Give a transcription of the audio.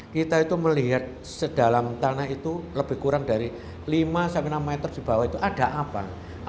kita itu melihat sedalam tanah itu lebih kurang dari lima sampai enam meter di bawah itu ada apa